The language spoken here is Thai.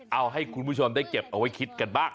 เอาให้คุณผู้ชมได้เก็บเอาไว้คิดกันบ้าง